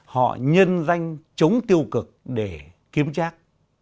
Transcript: họ nhân danh chống tiêu cực để kiếm trác